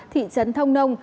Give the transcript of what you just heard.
thị trấn thông nông